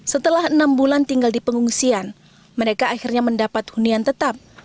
setelah enam bulan tinggal di pengungsian mereka akhirnya mendapat hunian tetap